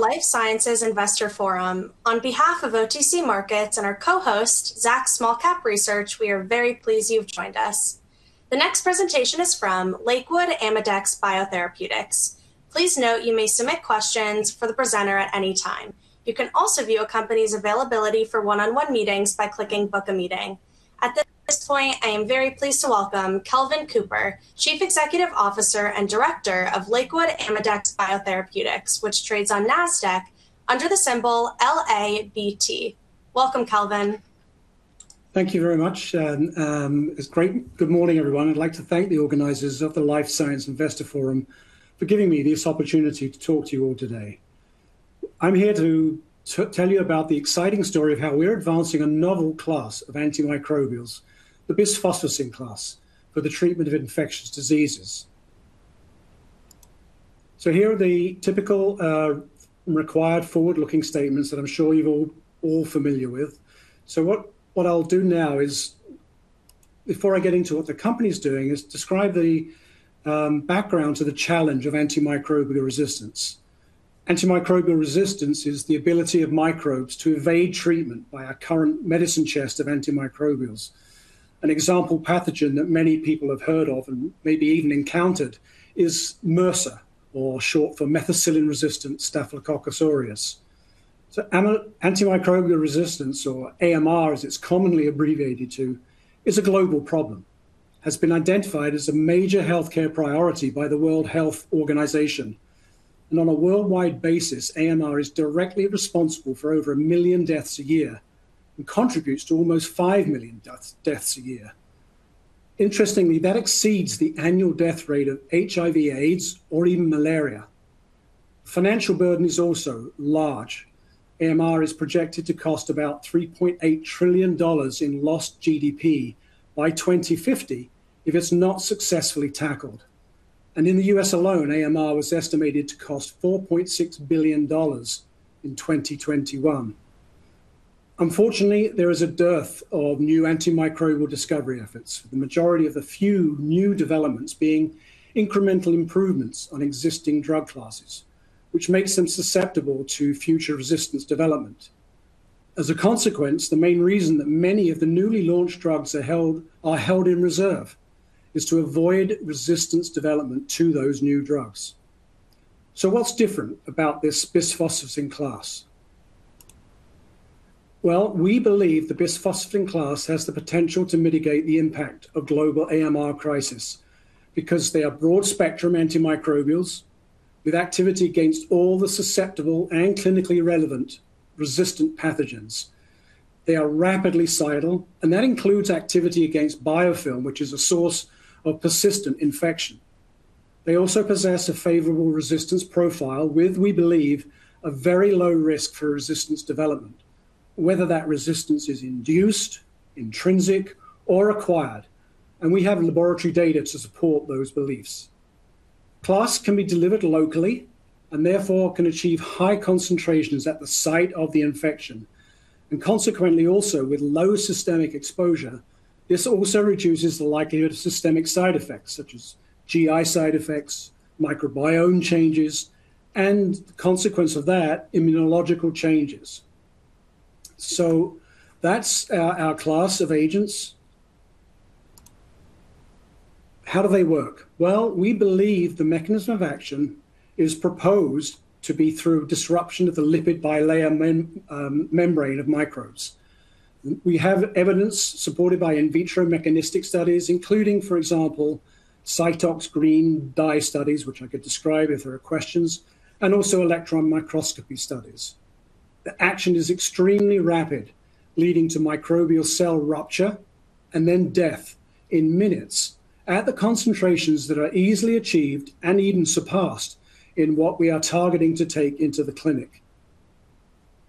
The Life Sciences Investor Forum. On behalf of OTC Markets and our co-host, Zacks Small-Cap Research, we are very pleased you've joined us. The next presentation is from Lakewood-Amedex Biotherapeutics. Please note you may submit questions for the presenter at any time. You can also view a company's availability for one-on-one meetings by clicking "book a meeting." At this point, I am very pleased to welcome Kelvin Cooper, Chief Executive Officer and Director of Lakewood-Amedex Biotherapeutics, which trades on Nasdaq under the symbol LABT. Welcome, Kelvin. Thank you very much. It's great. Good morning, everyone. I'd like to thank the organizers of the Life Sciences Investor Forum for giving me this opportunity to talk to you all today. I'm here to tell you about the exciting story of how we're advancing a novel class of antimicrobials, the Bisphosphocin class, for the treatment of infectious diseases. Here are the typical required forward-looking statements that I'm sure you're all familiar with. What I'll do now is, before I get into what the company's doing, is describe the background to the challenge of antimicrobial resistance. Antimicrobial resistance is the ability of microbes to evade treatment by our current medicine chest of antimicrobials. An example pathogen that many people have heard of and maybe even encountered is MRSA, or short for methicillin-resistant Staphylococcus aureus. Antimicrobial resistance, or AMR as it's commonly abbreviated to, is a global problem. Has been identified as a major healthcare priority by the World Health Organization. On a worldwide basis, AMR is directly responsible for over 1 million deaths a year and contributes to almost 5 million deaths a year. Interestingly, that exceeds the annual death rate of HIV/AIDS or even malaria. Financial burden is also large. AMR is projected to cost about $3.8 trillion in lost GDP by 2050 if it's not successfully tackled. In the U.S. alone, AMR was estimated to cost $4.6 billion in 2021. Unfortunately, there is a dearth of new antimicrobial discovery efforts, the majority of the few new developments being incremental improvements on existing drug classes, which makes them susceptible to future resistance development. As a consequence, the main reason that many of the newly launched drugs are held in reserve is to avoid resistance development to those new drugs. What's different about this Bisphosphocin class? Well, we believe the Bisphosphocin class has the potential to mitigate the impact of global AMR crisis because they are broad-spectrum antimicrobials with activity against all the susceptible and clinically relevant resistant pathogens. They are rapidly cidal, and that includes activity against biofilm, which is a source of persistent infection. They also possess a favorable resistance profile with, we believe, a very low risk for resistance development, whether that resistance is induced, intrinsic, or acquired, and we have laboratory data to support those beliefs. Class can be delivered locally and therefore can achieve high concentrations at the site of the infection. Consequently, also with low systemic exposure, this also reduces the likelihood of systemic side effects such as GI side effects, microbiome changes, and the consequence of that, immunological changes. That's our class of agents. How do they work? We believe the mechanism of action is proposed to be through disruption of the lipid bilayer membrane of microbes. We have evidence supported by in vitro mechanistic studies, including, for example, SYTOX Green dye studies, which I could describe if there are questions, and also electron microscopy studies. The action is extremely rapid, leading to microbial cell rupture and then death in minutes at the concentrations that are easily achieved and even surpassed in what we are targeting to take into the clinic.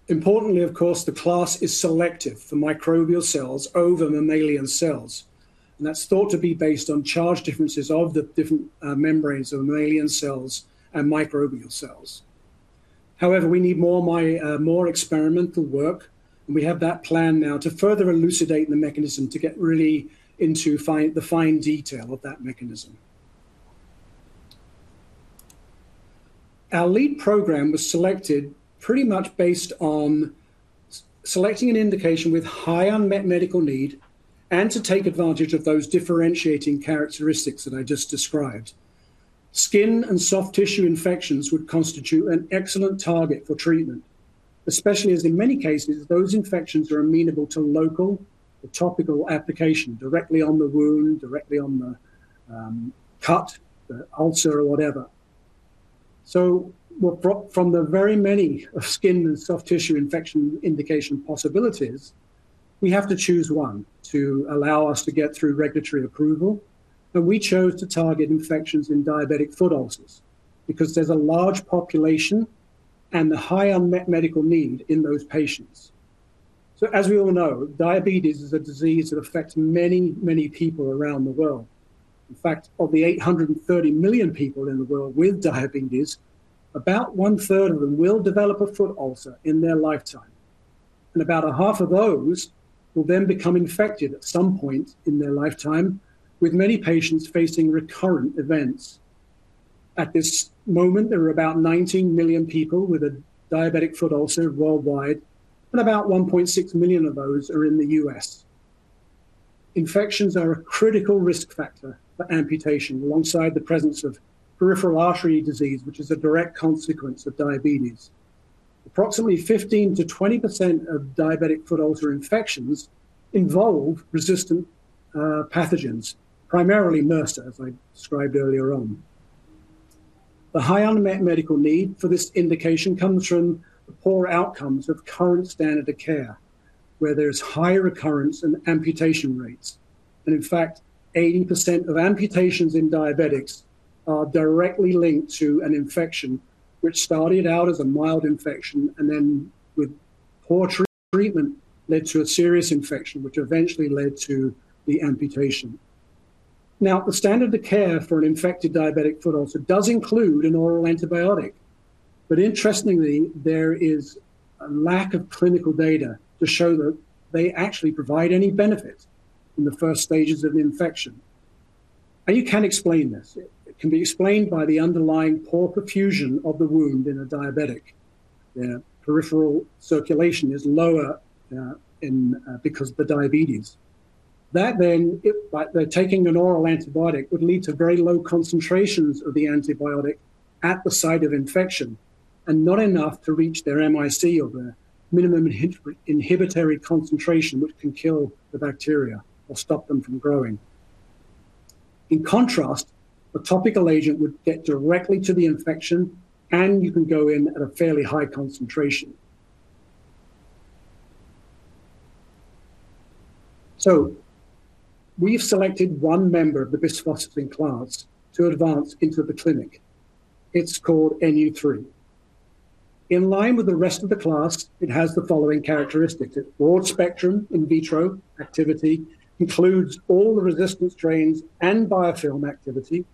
Importantly, of course, the class is selective for microbial cells over mammalian cells, and that's thought to be based on charge differences of the different membranes of mammalian cells and microbial cells. However, we need more experimental work, and we have that plan now to further elucidate the mechanism to get really into the fine detail of that mechanism. Our lead program was selected pretty much based on selecting an indication with high unmet medical need and to take advantage of those differentiating characteristics that I just described. Skin and soft tissue infections would constitute an excellent target for treatment, especially as in many cases, those infections are amenable to local or topical application directly on the wound, directly on the cut, the ulcer or whatever. From the very many of skin and soft tissue infection indication possibilities, we have to choose one to allow us to get through regulatory approval. We chose to target infections in diabetic foot ulcers because there's a large population and the high unmet medical need in those patients. As we all know, diabetes is a disease that affects many, many people around the world. In fact, of the 830 million people in the world with diabetes, about one-third of them will develop a foot ulcer in their lifetime. About a half of those will then become infected at some point in their lifetime, with many patients facing recurrent events. At this moment, there are about 19 million people with a diabetic foot ulcer worldwide, and about 1.6 million of those are in the U.S. Infections are a critical risk factor for amputation, alongside the presence of peripheral artery disease, which is a direct consequence of diabetes. Approximately 15%-20% of diabetic foot ulcer infections involve resistant pathogens, primarily MRSA, as I described earlier on. The high unmet medical need for this indication comes from the poor outcomes of current standard of care, where there's high recurrence in amputation rates. In fact, 80% of amputations in diabetics are directly linked to an infection which started out as a mild infection and then with poor treatment, led to a serious infection, which eventually led to the amputation. Now, the standard of care for an infected diabetic foot ulcer does include an oral antibiotic, but interestingly, there is a lack of clinical data to show that they actually provide any benefit in the first stages of infection. You can explain this. It can be explained by the underlying poor perfusion of the wound in a diabetic. Their peripheral circulation is lower because of the diabetes. That then, by taking an oral antibiotic, would lead to very low concentrations of the antibiotic at the site of infection, and not enough to reach their MIC, or their minimum inhibitory concentration, which can kill the bacteria or stop them from growing. In contrast, a topical agent would get directly to the infection, and you can go in at a fairly high concentration. We've selected one member of the Bisphosphocin class to advance into the clinic. It's called Nu-3. In line with the rest of the class, it has the following characteristics at broad-spectrum in vitro activity, includes all the resistance strains and biofilm activity.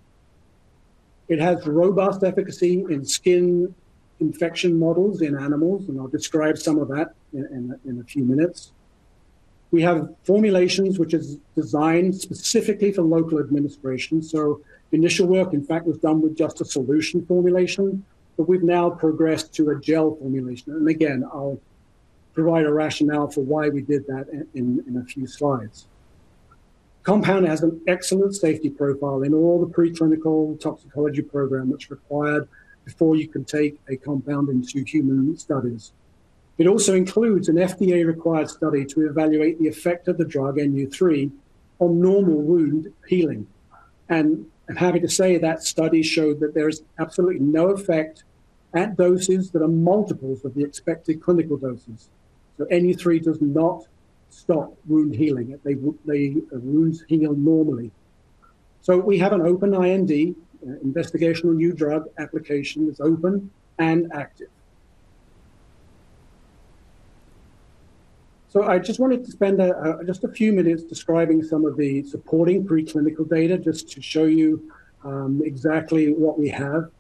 It has robust efficacy in skin infection models in animals, and I'll describe some of that in a few minutes. We have formulations which is designed specifically for local administration. The initial work, in fact, was done with just a solution formulation, but we've now progressed to a gel formulation. Again, I'll provide a rationale for why we did that in a few slides. Compound has an excellent safety profile in all the preclinical toxicology program, which required before you can take a compound into human studies. It also includes an FDA-required study to evaluate the effect of the drug Nu-3 on normal wound healing. I'm happy to say that study showed that there is absolutely no effect at doses that are multiples of the expected clinical doses. Nu-3 does not stop wound healing. The wounds heal normally. We have an open IND; investigational new drug application is open and active. I just wanted to spend just a few minutes describing some of the supporting preclinical data, just to show you exactly what we have.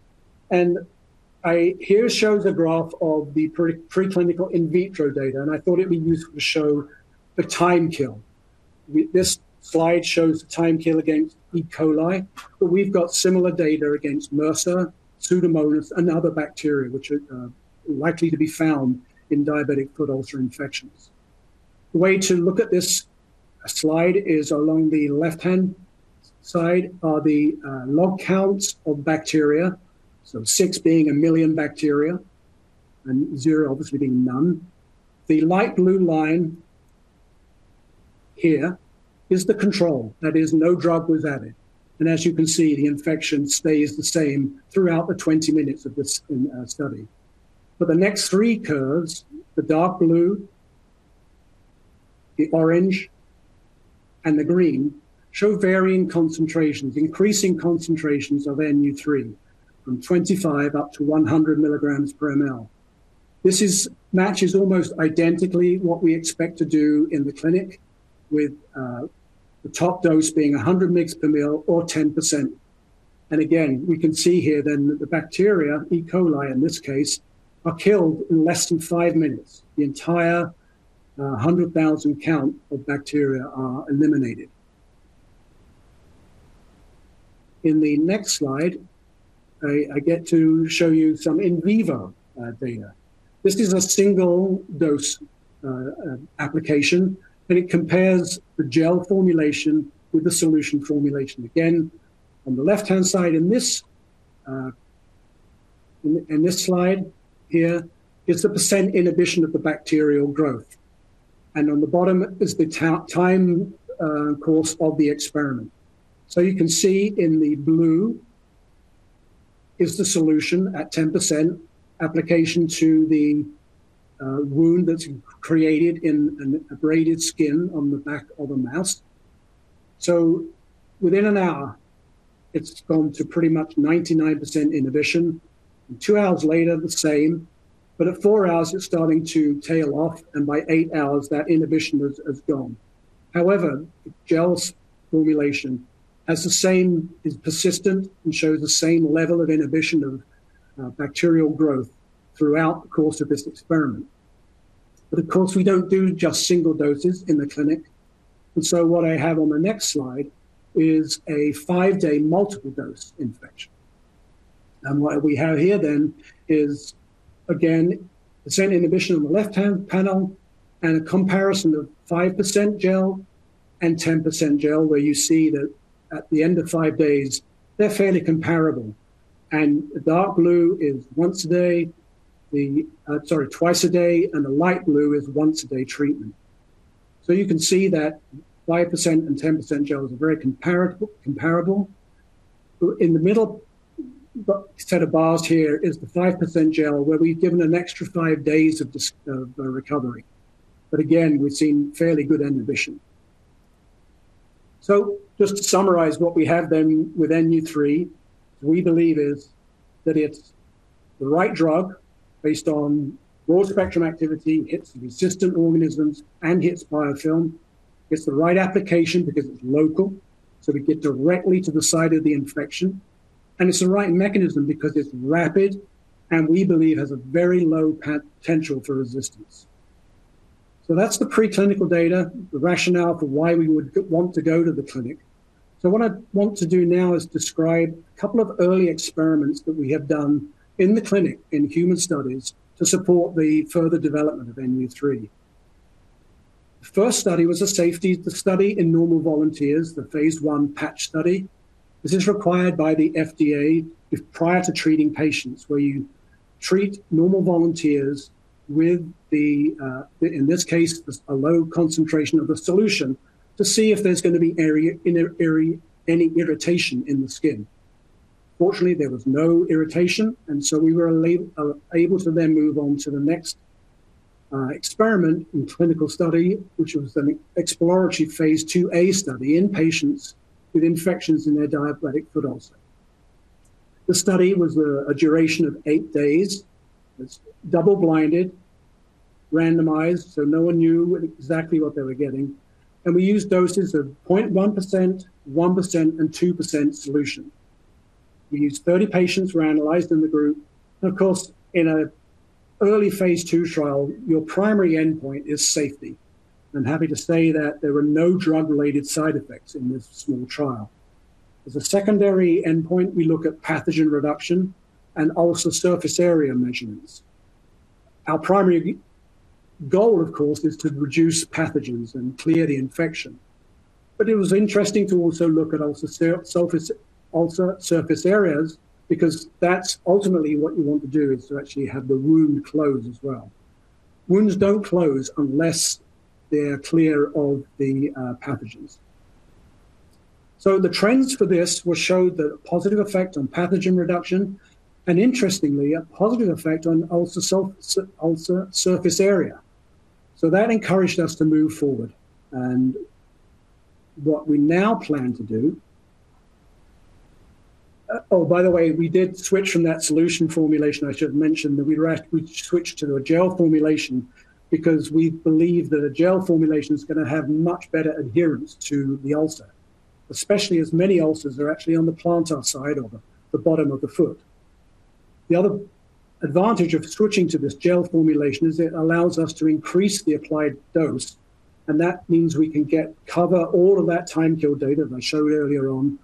Here shows a graph of the preclinical in vitro data, and I thought it'd be useful to show a time kill. This slide shows time kill against E. coli. coli, but we've got similar data against MRSA, Pseudomonas, and other bacteria which are likely to be found in diabetic foot ulcer infections. The way to look at this slide is along the left-hand side are the log counts of bacteria. So, six being a million bacteria and zero obviously being none. The light blue line here is the control, that is no drug was added. As you can see, the infection stays the same throughout the 20 minutes of this study. The next three curves, the dark blue, the orange, and the green, show varying concentrations, increasing concentrations of Nu-3 from 25 up to 100 mg/mL. This matches almost identically what we expect to do in the clinic with the top dose being 100 mg/mL or 10%. Again, we can see here then that the bacteria, E. coli in this case, are killed in less than five minutes. The entire 100,000 count of bacteria are eliminated. In the next slide, I get to show you some in vivo data. This is a single-dose application, and it compares the gel formulation with the solution formulation. Again, on the left-hand side in this slide here is the percent inhibition of the bacterial growth. On the bottom is the time course of the experiment. You can see in the blue is the solution at 10% application to the wound that's created in an abraded skin on the back of a mouse. Within an hour, it's gone to pretty much 99% inhibition, and two hours later, the same. At four hours, it's starting to tail off, and by eight hours, that inhibition is gone. The gel's formulation is persistent and shows the same level of inhibition of bacterial growth throughout the course of this experiment. Of course, we don't do just single doses in the clinic, what I have on the next slide is a five-day multiple dose infection. What we have here then is, again, the same inhibition on the left-hand panel, a comparison of 5% gel and 10% gel, where you see that at the end of five days, they're fairly comparable. The dark blue is twice a day; the light blue is once a day treatment. You can see that 5% and 10% gel is very comparable. In the middle set of bars here is the 5% gel, where we've given an extra five days of the recovery. Again, we've seen fairly good inhibition. Just to summarize what we have then with Nu-3, we believe is that it's the right drug based on broad-spectrum activity, hits the resistant organisms and hits biofilm. It's the right application because it's local, so we get directly to the site of the infection. It's the right mechanism because it's rapid, and we believe has a very low potential for resistance. That's the preclinical data, the rationale for why we would want to go to the clinic. What I want to do now is describe a couple of early experiments that we have done in the clinic in human studies to support the further development of Nu-3. The first study was a safety study in normal volunteers; the phase I PATCH study. This is required by the FDA prior to treating patients, where you treat normal volunteers with the, in this case, a low concentration of the solution to see if there's going to be any irritation in the skin. Fortunately, there was no irritation, we were able to then move on to the next experiment and clinical study, which was an exploratory phase IIA study in patients with infections in their diabetic foot ulcer. The study was a duration of eight days. It's double-blinded, randomized, so no one knew exactly what they were getting. We used doses of 0.1%, 1% and 2% solution. We used 30 patients who were analyzed in the group. Of course, in an early phase II trial, your primary endpoint is safety. I'm happy to say that there were no drug-related side effects in this small trial. As a secondary endpoint, we look at pathogen reduction and ulcer surface area measurements. Our primary goal, of course, is to reduce pathogens and clear the infection. It was interesting to also look at ulcer surface areas because that's ultimately what you want to do, is to actually have the wound close as well. Wounds don't close unless they're clear of the pathogens. The trends for this showed the positive effect on pathogen reduction, and interestingly, a positive effect on ulcer surface area. That encouraged us to move forward. What we now plan to do, oh, by the way, we did switch from that solution formulation. I should've mentioned that we switched to a gel formulation because we believe that a gel formulation is going to have much better adherence to the ulcer, especially as many ulcers are actually on the plantar side or the bottom of the foot. The other advantage of switching to this gel formulation is it allows us to increase the applied dose, and that means we can cover all of that time kill data that I showed earlier on,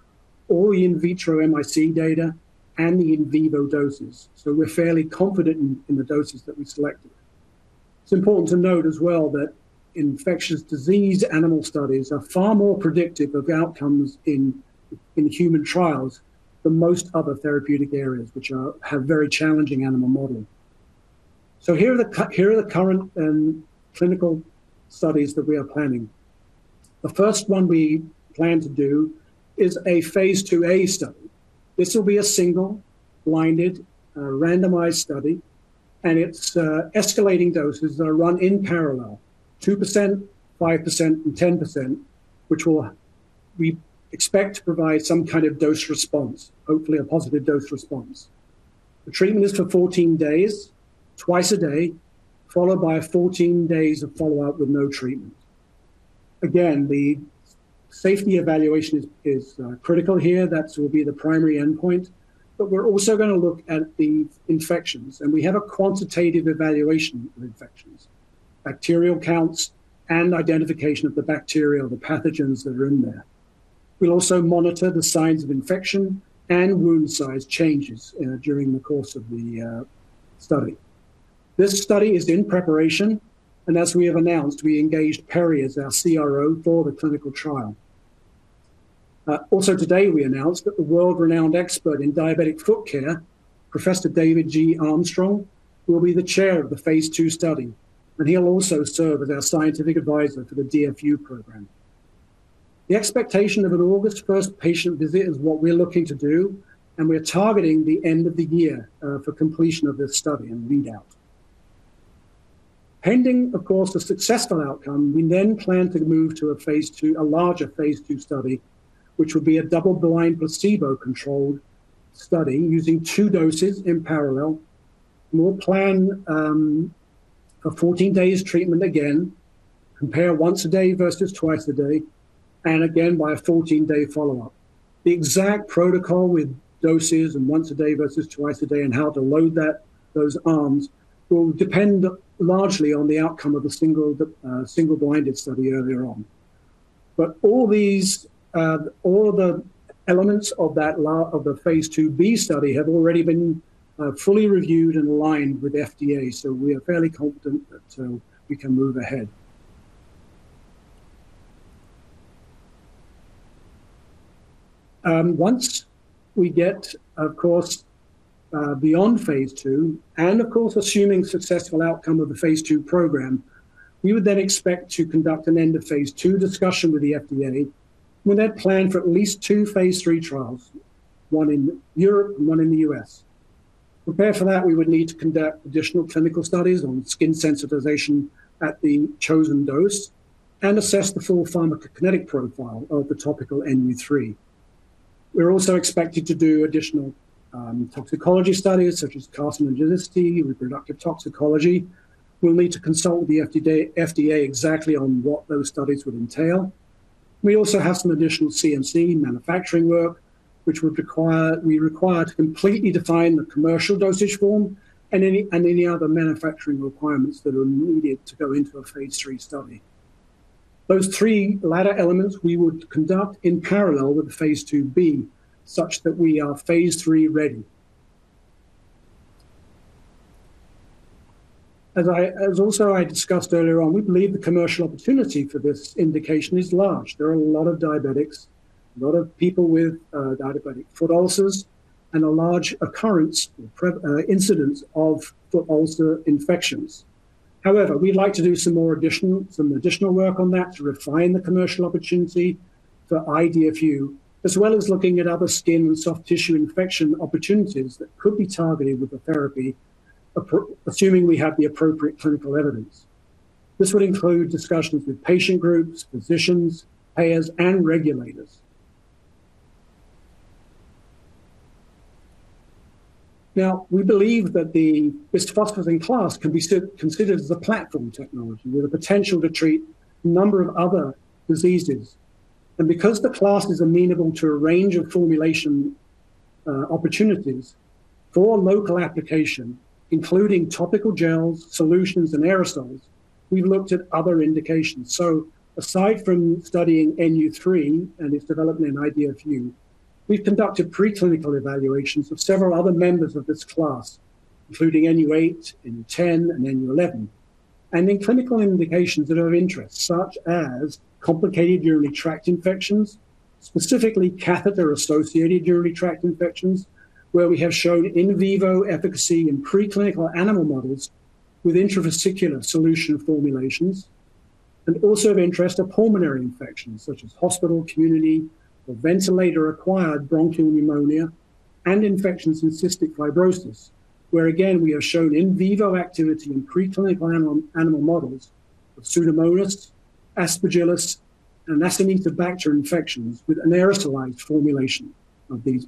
all the in vitro MIC data and the in vivo doses. We're fairly confident in the doses that we selected. It's important to note as well that infectious disease animal studies are far more predictive of outcomes in human trials than most other therapeutic areas, which have very challenging animal modeling. Here are the current clinical studies that we are planning. The first one we plan to do is a phase IIA study. This will be a single-blinded, randomized study, and it's escalating doses that are run in parallel, 2%, 5% and 10%, which we expect to provide some kind of dose response, hopefully a positive dose response. The treatment is for 14 days, twice a day, followed by 14 days of follow-up with no treatment. Again, the safety evaluation is critical here. That will be the primary endpoint. We're also going to look at the infections, and we have a quantitative evaluation of infections, bacterial counts, and identification of the bacteria or the pathogens that are in there. We'll also monitor the signs of infection and wound size changes during the course of the study. This study is in preparation, and as we have announced, we engaged Perry as our CRO for the clinical trial. Today, we announced that the world-renowned expert in diabetic foot care, Professor David G. Armstrong, will be the chair of the phase II study, and he'll also serve as our scientific advisor for the DFU program. The expectation of an August 1st patient visit is what we're looking to do, and we're targeting the end of the year for completion of this study and readout. Pending, of course, a successful outcome, we plan to move to a larger phase II study, which will be a double-blind, placebo-controlled study using two doses in parallel. We'll plan a 14-day treatment again, compare once a day versus twice a day, and again by a 14-day follow-up. The exact protocol with doses and once a day versus twice a day and how to load those arms will depend largely on the outcome of the single-blinded study earlier on. All the elements of the phase IIb study have already been fully reviewed and aligned with FDA. We are fairly confident that we can move ahead. Once we get, of course, beyond phase II, and of course, assuming successful outcome of the phase II program, we would expect to conduct an end of phase II discussion with the FDA. We'll plan for at least two phase III trials, one in Europe and one in the U.S. To prepare for that, we would need to conduct additional clinical studies on skin sensitization at the chosen dose and assess the full pharmacokinetic profile of the topical Nu-3. We're also expected to do additional toxicology studies, such as carcinogenicity, reproductive toxicology. We'll need to consult the FDA exactly on what those studies would entail. We also have some additional CMC manufacturing work, which we require to completely define the commercial dosage form and any other manufacturing requirements that are needed to go into a phase III study. Those three latter elements we would conduct in parallel with the phase IIb, such that we are phase III ready. As also I discussed earlier on, we believe the commercial opportunity for this indication is large. There are a lot of diabetics, a lot of people with diabetic foot ulcers, and a large occurrence, incidence of foot ulcer infections. However, we'd like to do some additional work on that to refine the commercial opportunity for IDFU, as well as looking at other skin and soft tissue infection opportunities that could be targeted with the therapy, assuming we have the appropriate clinical evidence. This would include discussions with patient groups, physicians, payers, and regulators. We believe that the Bisphosphocin class can be considered as a platform technology with a potential to treat a number of other diseases. Because the class is amenable to a range of formulation opportunities for local application, including topical gels, solutions, and aerosols, we've looked at other indications. Aside from studying Nu-3 and its development in IDFU, we've conducted preclinical evaluations of several other members of this class, including Nu-8, Nu-10, and Nu-11. In clinical indications that are of interest, such as complicated urinary tract infections, specifically catheter-associated urinary tract infections, where we have shown in vivo efficacy in preclinical animal models with intravesical solution formulations. Also of interest are pulmonary infections, such as hospital, community, or ventilator-acquired bronchial pneumonia, and infections in cystic fibrosis, where again, we have shown in vivo activity in preclinical animal models of Pseudomonas, Aspergillus, and Acinetobacter infections with an aerosolized formulation of these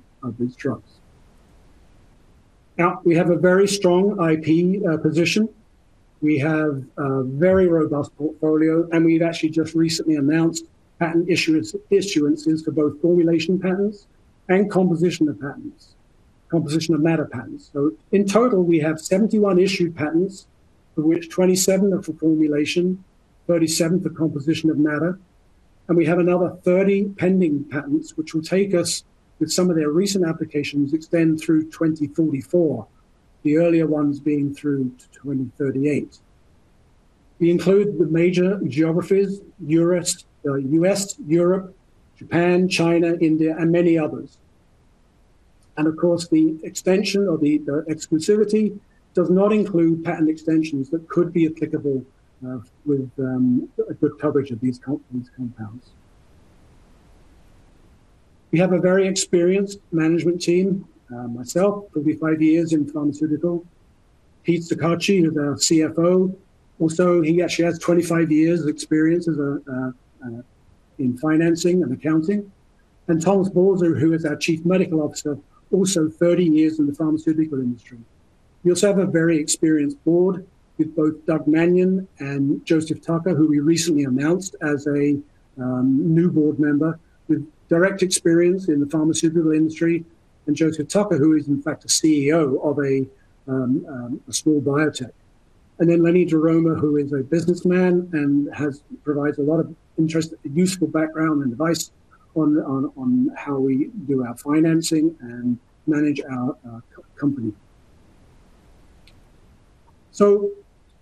drugs. We have a very strong IP position. We have a very robust portfolio, and we've actually just recently announced patent issuances for both formulation patents and composition of matter patents. In total, we have 71 issued patents, of which 27 are for formulation, 37 for composition of matter, and we have another 30 pending patents, which will take us, with some of their recent applications, extend through 2044, the earlier ones being through to 2038. We include the major geographies, U.S., Europe, Japan, China, India, and many others. Of course, the extension or the exclusivity does not include patent extensions that could be applicable with a good coverage of these compounds. We have a very experienced management team. Myself, 45 years in pharmaceutical. Peter Ceccacci, who's our CFO. Also, he actually has 25 years of experience in financing and accounting. Thomas Balzer, who is our Chief Medical Officer, also 30 years in the pharmaceutical industry. We also have a very experienced board with both Doug Manion and Joseph Tucker, who we recently announced as a new board member with direct experience in the pharmaceutical industry, and Joseph Tucker, who is in fact a CEO of a small biotech. Then Lenny DeRoma, who is a businessman and provides a lot of interest, useful background, and advice on how we do our financing and manage our company.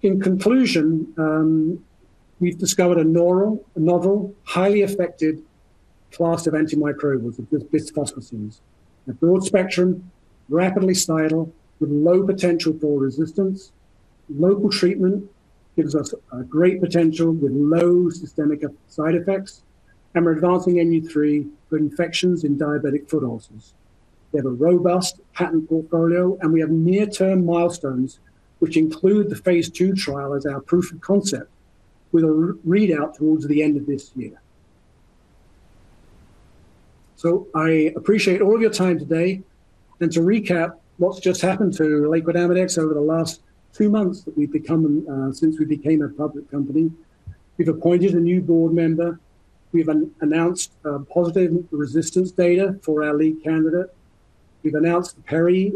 In conclusion, we've discovered a novel, highly effective class of antimicrobials with Bisphosphocins. A broad-spectrum, rapidly cidal, with low potential for resistance. Local treatment gives us a great potential with low systemic side effects. We're advancing Nu-3 for infections in diabetic foot ulcers. We have a robust patent portfolio, and we have near-term milestones, which include the phase II trial as our proof of concept with a readout towards the end of this year. I appreciate all of your time today. To recap what's just happened to Lakewood-Amedex over the last two months since we became a public company. We've appointed a new board member. We've announced positive resistance data for our lead candidate. We've announced Perry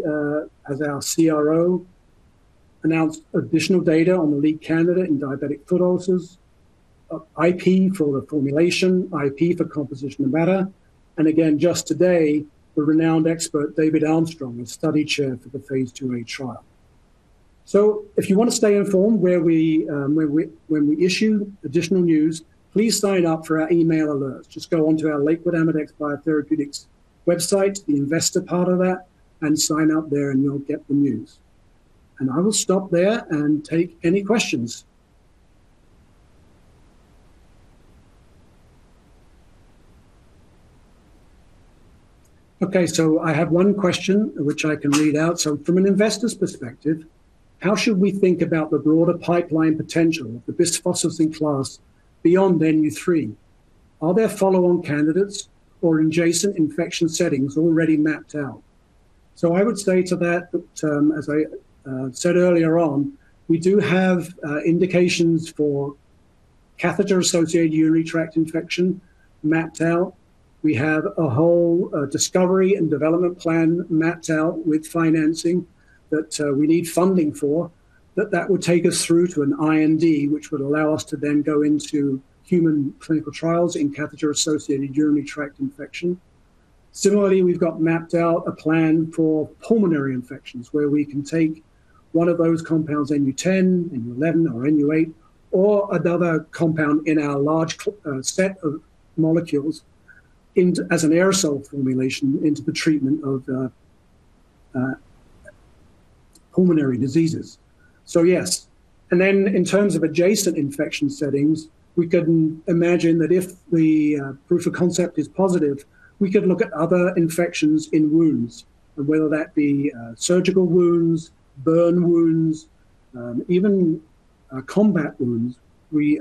as our CRO, announced additional data on the lead candidate in diabetic foot ulcers, IP for the formulation, IP for composition of matter, and again, just today, the renowned expert, David Armstrong, the study chair for the phase IIA trial. If you want to stay informed when we issue additional news, please sign up for our email alerts. Just go onto our Lakewood-Amedex Biotherapeutics website, the investor part of that, and sign up there and you'll get the news. I will stop there and take any questions. Okay, I have one question which I can read out. "From an investor's perspective, how should we think about the broader pipeline potential of the Bisphosphocin class beyond Nu-3? Are there follow-on candidates or adjacent infection settings already mapped out?" I would say to that, as I said earlier on, we do have indications for catheter-associated urinary tract infection mapped out. We have a whole discovery and development plan mapped out with financing that we need funding for, that would take us through to an IND, which would allow us to then go into human clinical trials in catheter-associated urinary tract infection. Similarly, we've got mapped out a plan for pulmonary infections, where we can take one of those compounds, Nu-10, Nu-11, or Nu-8, or another compound in our large set of molecules as an aerosol formulation into the treatment of pulmonary diseases. Yes. Then in terms of adjacent infection settings, we can imagine that if the proof of concept is positive, we could look at other infections in wounds, whether that be surgical wounds, burn wounds, even combat wounds. We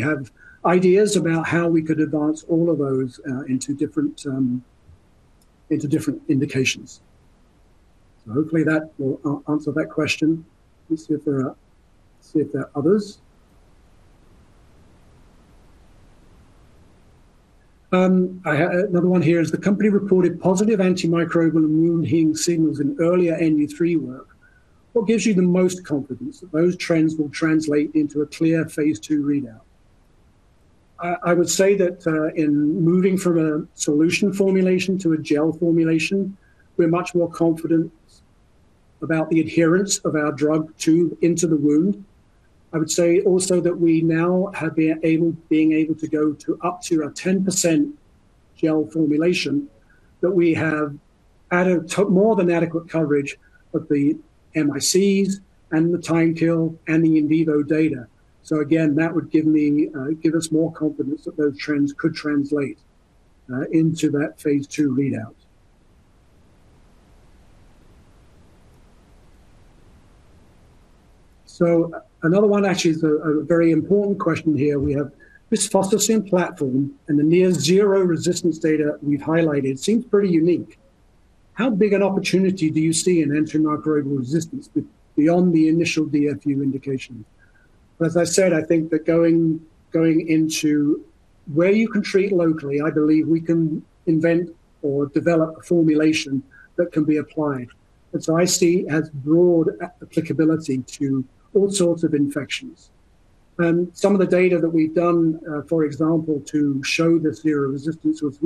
have ideas about how we could advance all of those into different indications. Hopefully that will answer that question. Let me see if there are others. I have another one here. "As the company reported positive antimicrobial and wound healing signals in earlier Nu-3 work, what gives you the most confidence that those trends will translate into a clear phase II readout?" I would say that in moving from a solution formulation to a gel formulation, we're much more confident about the adherence of our drug into the wound. I would say also that we now have being able to go to up to a 10% gel formulation, that we have more than adequate coverage of the MICs and the time kill and the in vivo data. Again, that would give us more confidence that those trends could translate into that phase II readout. Another one actually is a very important question here we have. "This Bisphosphocin platform and the near zero resistance data we've highlighted seems pretty unique. How big an opportunity do you see in entering microbial resistance beyond the initial DFU indication?" As I said, I think that going into where you can treat locally, I believe we can invent or develop a formulation that can be applied. I see it has broad applicability to all sorts of infections. Some of the data that we've done, for example, to show this zero resistance was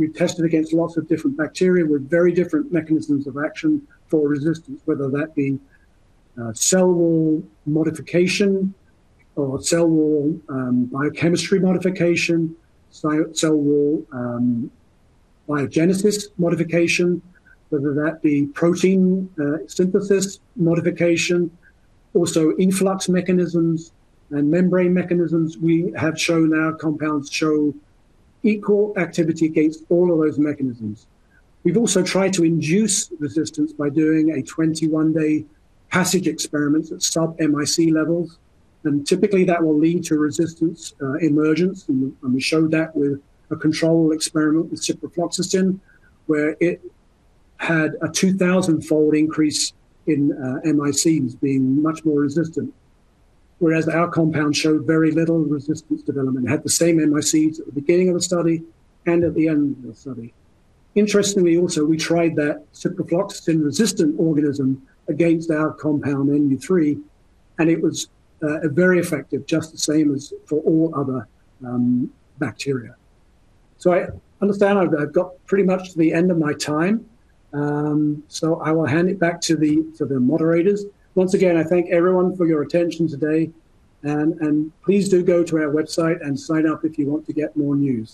we tested against lots of different bacteria with very different mechanisms of action for resistance, whether that be cell wall modification or cell wall biochemistry modification, cell wall biogenesis modification, whether that be protein synthesis modification, also efflux mechanisms and membrane mechanisms. We have shown our compounds show equal activity against all of those mechanisms. We've also tried to induce resistance by doing a 21-day passage experiment at sub-MIC levels. Typically, that will lead to resistance emergence, and we showed that with a control experiment with ciprofloxacin, where it had a 2,000-fold increase in MICs being much more resistant. Whereas our compound showed very little resistance development, had the same MICs at the beginning of the study and at the end of the study. Interestingly also, we tried that ciprofloxacin-resistant organism against our compound, Nu-3, and it was very effective, just the same as for all other bacteria. I understand I've got pretty much to the end of my time; I will hand it back to the moderators. Once again, I thank everyone for your attention today, and please do go to our website and sign up if you want to get more news